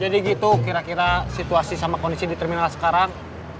jadi gitu kira kira situasi sama kondisi di terminal sekarang